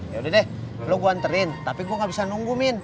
yaudah deh lo gue anterin tapi gue gak bisa nungguin